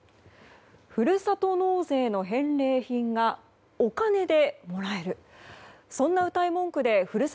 ふるさと納税の返礼品がお金でもらえる。